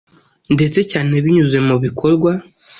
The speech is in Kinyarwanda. ndetse cyane binyuze mu bikorwa.